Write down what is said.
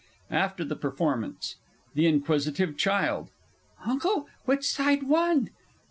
_) AFTER THE PERFORMANCE. THE INQUISITIVE CHILD. Uncle, which side won?